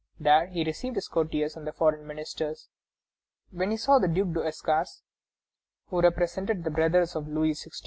There he received his courtiers and the foreign ministers. When he saw the Duke d'Escars, who represented the brothers of Louis XVI.